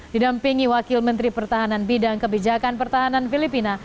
didampingi wakil menteri pertahanan bidang kebijakan pertahanan filipina